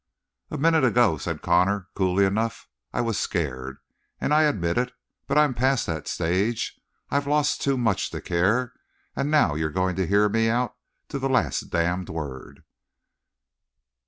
"A minute ago," said Connor coolly enough, "I was scared, and I admit it, but I'm past that stage. I've lost too much to care, and now you're going to hear me out to the last damned word!"